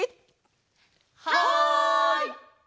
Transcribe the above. はい！